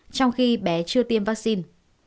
trong khi bé chưa tiêm vaccine